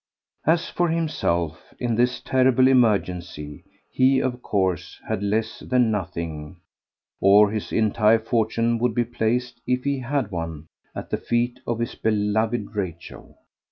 As for himself in this terrible emergency, he, of course, had less than nothing, or his entire fortune would be placed—if he had one—at the feet of his beloved Rachel.